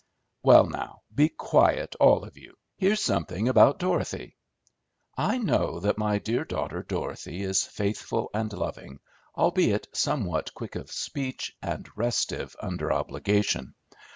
"Well, now, be quiet, all of you. Here's something about Dorothy: 'I know that my dear daughter Dorothy is faithful and loving, albeit somewhat quick of speech and restive under obligation.